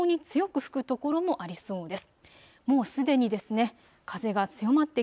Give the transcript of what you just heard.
非常に強く吹く所もありそうです。